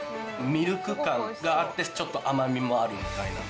ミルク感があってちょっと甘みもあるみたいな。